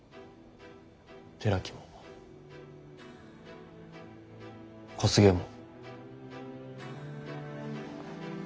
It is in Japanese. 寺木も小菅も。